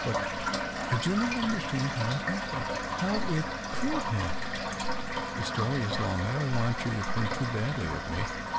But I do not understand how it happened — how it could happen." " The story is long. I don't want you to think too badly of me.